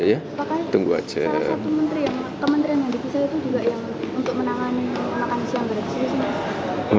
salah satu kementerian yang dipisah itu juga yang untuk menangani makan siang berarti sini